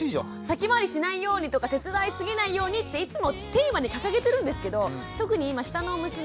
先回りしないようにとか手伝いすぎないようにっていつもテーマに掲げてるんですけど特に今下の娘